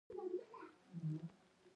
که ونه توانیدو نو پریږده سرونه مو په دار شي.